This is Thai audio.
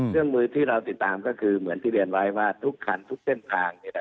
เรื่องที่เราติดตามคือเหมือนเรียนว่าทุกคันทุกเส้นว่าง